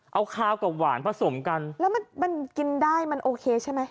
เอาคาวกับหวานผสมกันแล้วมันมันกินได้มันโอเคใช่ไหม